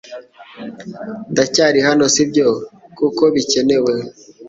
Ndacyari hano, sibyo kuko bikenewe